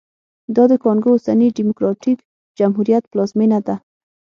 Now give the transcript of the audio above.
دا د کانګو اوسني ډیموکراټیک جمهوریت پلازمېنه ده